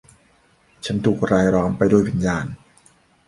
ฉันถูกรายล้อมไปด้วยวิญญาณ